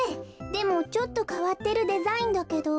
でもちょっとかわってるデザインだけど。